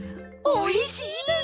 おいしいです！